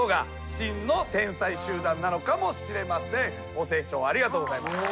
ご清聴ありがとうございました。